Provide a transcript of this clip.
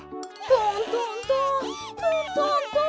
トントントントントントン。